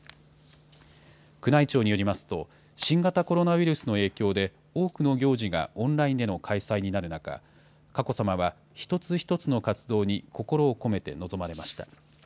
宮内庁によりますと、新型コロナウイルスの影響で多くの行事がオンラインでの開催になる中、佳子さまは一つ一つの活動に心を込めて臨まれました。